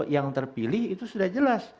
yang terpilih itu sudah jelas